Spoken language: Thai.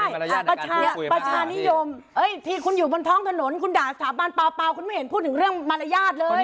ประชานิยมที่คุณอยู่บนท้องถนนคุณด่าสถาบันเปล่าคุณไม่เห็นพูดถึงเรื่องมารยาทเลย